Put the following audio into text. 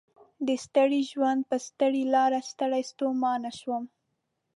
د ستړي ژوند په ستړي لار ستړی ستومان شوم